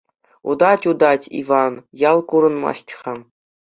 Утать-утать Иван, ял курӑнмасть-ха.